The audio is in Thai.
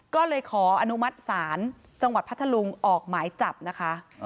ก็เลยขออนุมัติศาลจังหวัดพัทธลุงออกหมายจับนะคะ